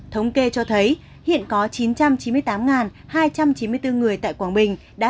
thống kê cho thấy hiện có chín trăm chín mươi tám hai trăm chín mươi bốn người tại quảng bình đã